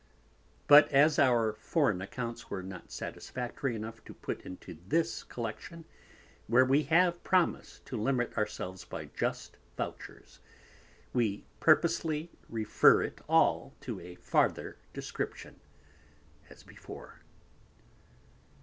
But as our Foreign Accounts were not satisfactory enough to put into this Collection, where we have promised to limit our selves by just Vouchers, we purposely refer it all to a farther description as before.